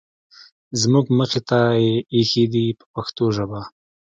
زموږ مخې ته یې اېښي دي په پښتو ژبه.